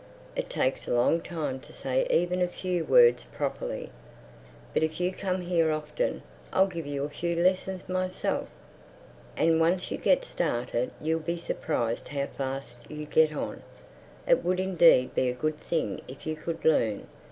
"It takes a long time to say even a few words properly. But if you come here often I'll give you a few lessons myself. And once you get started you'll be surprised how fast you get on. It would indeed be a good thing if you could learn.